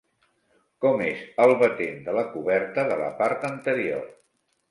Com és el batent de la coberta de la part anterior?